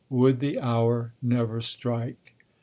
Would the hour never strike!